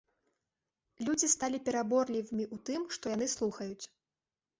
Людзі сталі пераборлівымі у тым, што яны слухаюць.